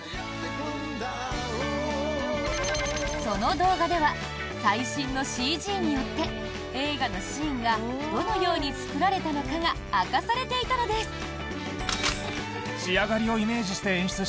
その動画では最新のＣＧによって映画のシーンがどのように作られたのかが明かされていたのです。